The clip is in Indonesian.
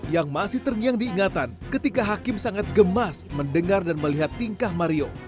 yang masih terngiang diingatan ketika hakim sangat gemas mendengar dan melihat tingkah mario